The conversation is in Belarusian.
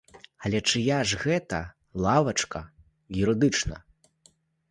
Але чыя ж гэта лавачка юрыдычна?